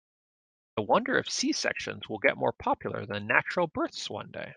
I wonder if C-sections will get more popular than natural births one day.